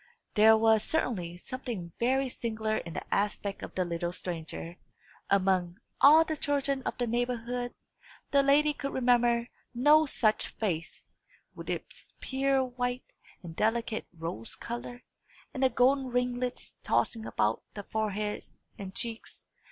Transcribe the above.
There was certainly something very singular in the aspect of the little stranger. Among all the children of the neighbourhood, the lady could remember no such face, with its pure white, and delicate rose colour, and the golden ringlets tossing about the forehead and cheeks.